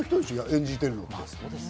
演じてるのは。